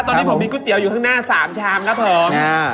ตอนนี้ผมมีก๋วยเตี๋ยวอยู่ข้างหน้า๓ชามครับผม